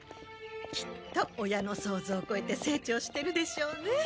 きっと親の想像を超えて成長してるでしょうね。